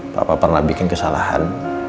papa pernah bikin kesalahan